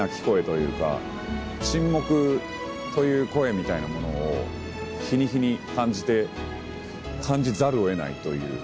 みたいなものを日に日に感じて感じざるを得ないという。